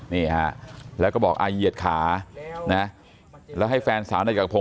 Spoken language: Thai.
นี่ฮะแล้วก็บอกอ่าเหยียดขานะแล้วให้แฟนสาวนายจักรพง